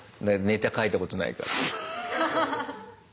ネタ書いたことないから。